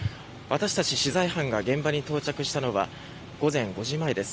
私たち取材班が現場に到着したのは午前５時前です。